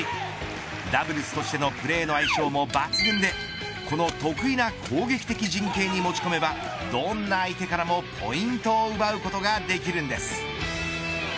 ダブルスとしてのプレーの相性も抜群でこの得意な攻撃的人形に持ち込めばどんな相手からもポイントを奪うことができるんです。